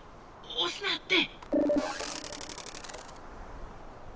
おすなって！